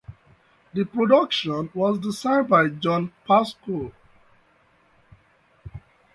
The production was designed by John Pascoe.